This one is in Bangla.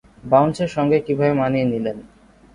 বাউন্সের সঙ্গে কীভাবে মানিয়ে নিলেন।